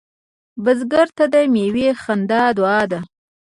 بزګر ته د میوې خندا دعا ده